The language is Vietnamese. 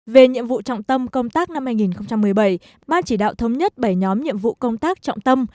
về nhiệm vụ trọng tâm công tác năm hai nghìn một mươi bảy ban chỉ đạo thống nhất bảy nhóm nhiệm vụ công tác trọng tâm